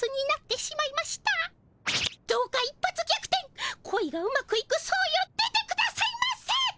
どうか「一発逆転」恋がうまくいく相よ出てくださいませ！